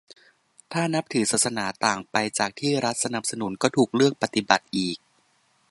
ถ้านับถือศาสนาต่างไปจากที่รัฐสนับสนุนก็ถูกเลือกปฏิบัติอีก